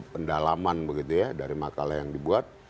pendalaman dari makalah yang dibuat